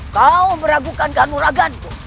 kau meragukan gantung raganku